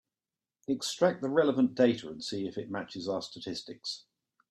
Extract the relevant data and see if it matches our statistics.